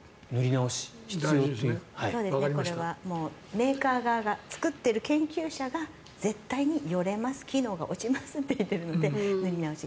メーカー側が作っている研究者側が絶対によれます機能が落ちますと言っているので塗り直し。